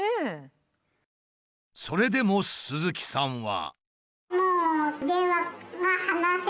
それでも鈴木さんは。